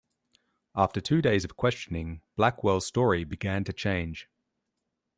After two days of questioning, Blackwell's story began to change.